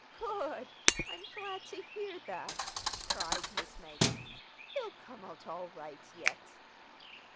"Good! I'm glad to hear that," cried Miss Maggie. "He'll come out all right, yet."